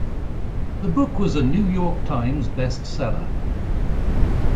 The book was a "New York Times" best-seller.